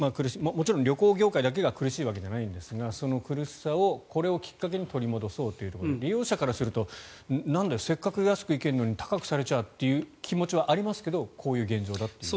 もちろん旅行業界だけが苦しいわけじゃないんですがその苦しさをこれをきっかけに取り戻そうということで利用者からするとなんだよせっかく安く行けるのに高くされちゃという気持ちはありますけどこういう現状だと。